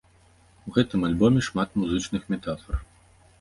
У гэтым альбоме шмат музычных метафар.